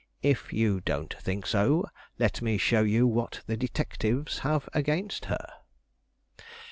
If you don't think so, let me show you what the detectives have against her.